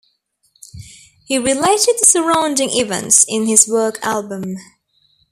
He related the surrounding events in his work Album.